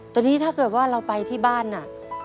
ตอนนี้ถ้าเกิดว่าเราไปที่บ้านน่ะ